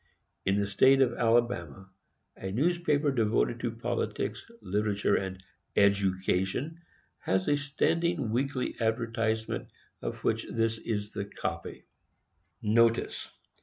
In the State of Alabama, a newspaper devoted to politics, literature and EDUCATION, has a standing weekly advertisement of which this is a copy: NOTICE.